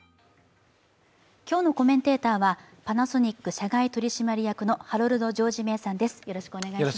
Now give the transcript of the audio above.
今日のコメンテーターはパナソニック社外取締役のハロルド・ジョージ・メイさんです。